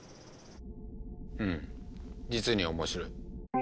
ふむ実に面白い。